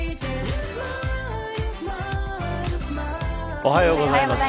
おはようございます。